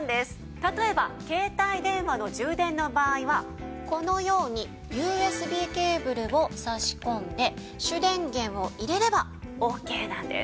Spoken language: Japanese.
例えば携帯電話の充電の場合はこのようにＵＳＢケーブルを挿し込んで主電源を入れればオーケーなんです。